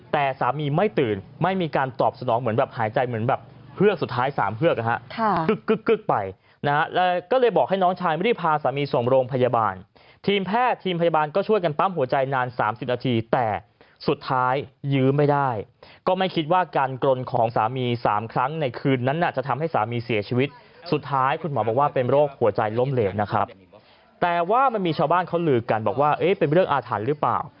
แต่สามีไม่ตื่นไม่มีการตอบสนองเหมือนแบบหายใจเหมือนแบบเฮือกสุดท้าย๓เฮือกนะฮะกึกไปนะฮะก็เลยบอกให้น้องชายไม่ได้พาสามีส่งโรงพยาบาลทีมแพทย์ทีมพยาบาลก็ช่วยกันปั้มหัวใจนาน๓๐นาทีแต่สุดท้ายยื้อไม่ได้ก็ไม่คิดว่าการกรนของสามี๓ครั้งในคืนนั้นจะทำให้สามีเสียชีวิตสุดท้ายคุณหมอบอกว่า